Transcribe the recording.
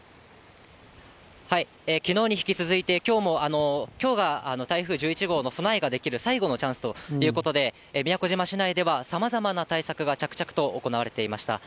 きのうに引き続いて、きょうが台風１１号の備えができる最後のチャンスということで、宮古島市内では、さまざまな対策が、着々と行われていました。